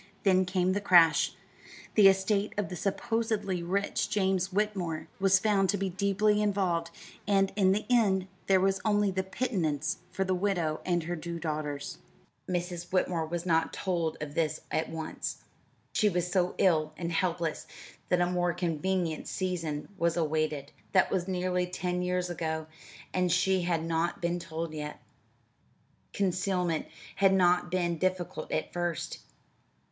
Then came the crash. The estate of the supposedly rich James Whitmore was found to be deeply involved, and in the end there was only a pittance for the widow and her two daughters. Mrs. Whitmore was not told of this at once. She was so ill and helpless that a more convenient season was awaited. That was nearly ten years ago and she had not been told yet. Concealment had not been difficult at first.